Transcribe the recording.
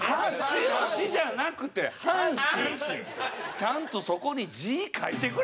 ちゃんと、そこに字、書いてくれ！